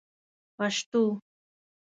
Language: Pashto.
پشتو